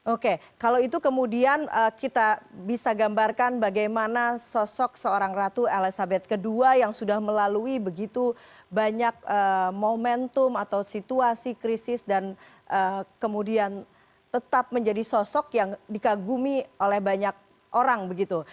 oke kalau itu kemudian kita bisa gambarkan bagaimana sosok seorang ratu elizabeth ii yang sudah melalui begitu banyak momentum atau situasi krisis dan kemudian tetap menjadi sosok yang dikagumi oleh banyak orang begitu